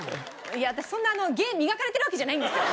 いや私そんな芸磨かれてるわけじゃないんですよ。